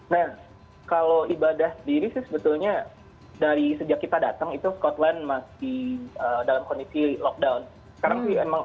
nah kalau ibadah diri sih sebetulnya